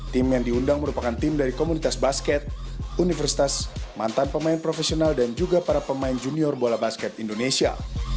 tim yang diundang merupakan tim dari komunitas basket universitas mantan pemain profesional dan juga para pemain junior bola basket indonesia